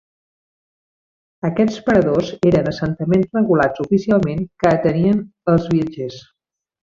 Aquests paradors eren assentaments regulats oficialment que atenien els viatgers.